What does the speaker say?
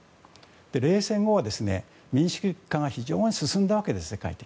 冷戦後は、民主主義化が非常に進んだわけです。